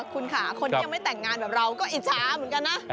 คุณค่ะคนที่ยังไม่แต่งงานแบบเราก็อิจฉาเหมือนกันนะ